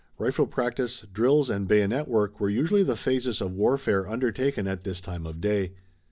Rifle practice, drills and bayonet work were usually the phases of warfare undertaken at this time of day.